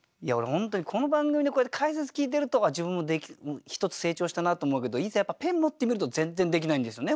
本当にこの番組でこうやって解説聞いてると自分も一つ成長したなと思うけどいざやっぱペン持ってみると全然できないんですよね